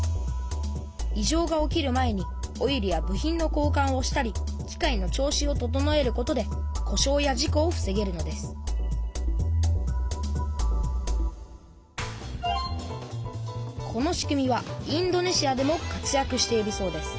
いじょうが起きる前にオイルや部品の交かんをしたり機械の調子を整えることでこしょうや事こをふせげるのですこの仕組みはインドネシアでも活やくしているそうです